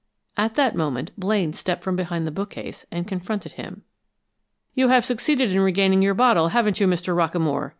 At that moment Blaine stepped from behind the bookcase and confronted him. "You have succeeded in regaining your bottle, haven't you, Mr. Rockamore?"